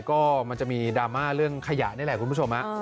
ก็มันจะมีดราม่าเรื่องขยะนี่แหละคุณผู้ชม